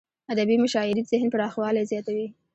ادبي مشاعريد ذهن پراخوالی زیاتوي.